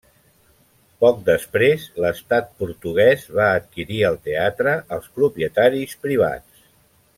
Poc després, l'Estat Portuguès va adquirir el teatre als propietaris privats.